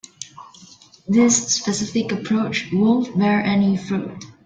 This specific approach won't bear any fruit.